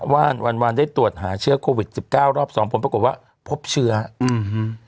วันวันได้ตรวจหาเชื้อโควิดสิบเก้ารอบสองผลปรากฏว่าพบเชื้ออืม